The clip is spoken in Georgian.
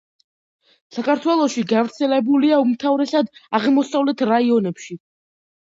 საქართველოში გავრცელებულია უმთავრესად აღმოსავლეთ რაიონებში.